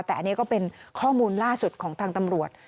แต่อันนี้ก็เป็นข้อมูลล่าสุดของทางตำรวจ